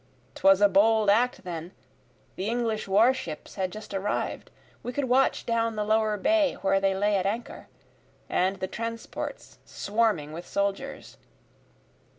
'Twas a bold act then the English war ships had just arrived, We could watch down the lower bay where they lay at anchor, And the transports swarming with soldiers.